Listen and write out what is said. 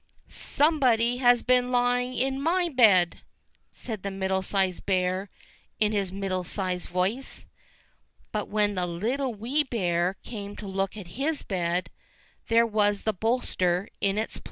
"somebody has been lying in my bed!" said the Middle sized Bear in his middle sized voice. But when the Little Wee Bear came to look at his bed, there was the bolster in its place